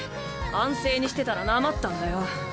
安静にしてたらなまったんだよ。